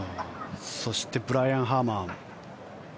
そしてブライアン・ハーマン。